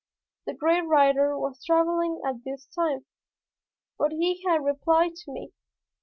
The great writer was traveling at this time, but he had replied to me.